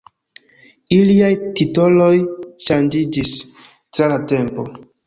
Iliaj titoloj ŝanĝiĝis tra la tempo.